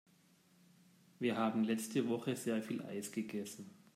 Wir haben letzte Woche sehr viel Eis gegessen.